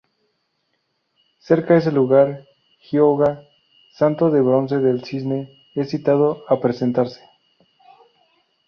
Cerca a este lugar, Hyōga, Santo de bronce del Cisne, es citado a presentarse.